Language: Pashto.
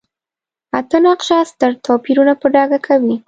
اته نقشه ستر توپیرونه په ډاګه کوي.